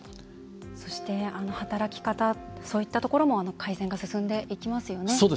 働き方といったところも改善が進んでいきますよね。